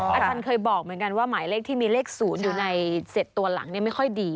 อาจารย์เคยบอกเหมือนกันว่าหมายเลขที่มีเลข๐อยู่ใน๗ตัวหลังไม่ค่อยดี